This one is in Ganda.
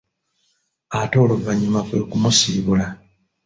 Ate oluvannyuma kwe kumusibula.